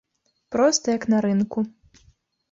Проста як на рынку.